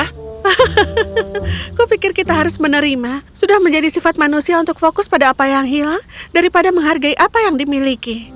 hahaha kupikir kita harus menerima sudah menjadi sifat manusia untuk fokus pada apa yang hilang daripada menghargai apa yang dimiliki